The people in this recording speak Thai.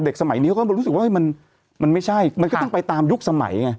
สมัยนี้เขาก็รู้สึกว่ามันไม่ใช่มันก็ต้องไปตามยุคสมัยไง